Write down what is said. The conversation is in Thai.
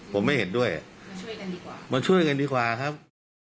ผมไม่เห็นด้วยมาช่วยกันดีกว่าครับ